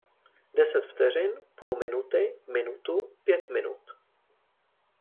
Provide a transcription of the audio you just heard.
Deset vteřin, půl minuty, minutu, pět minut...